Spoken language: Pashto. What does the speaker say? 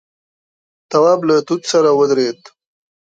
تواب له توت سره ودرېد.